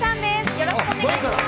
よろしくお願いします。